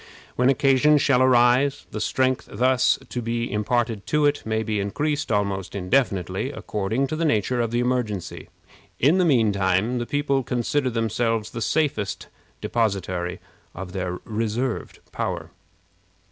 When occasion shall arise, the strength thus to be imparted to it may be increased almost indefinitely, according to the nature of the emergency. In the mean time, the people consider themselves the safest depositary of their reserved power.